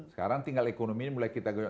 sekarang tinggal ekonomi ini mulai kita gerak